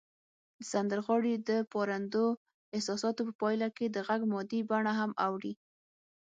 د سندرغاړي د پارندو احساساتو په پایله کې د غږ مادي بڼه هم اوړي